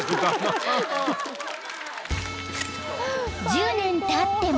［１０年たっても］